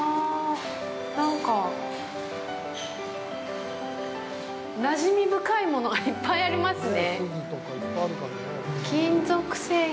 なんかなじみ深いものがいっぱいありますね。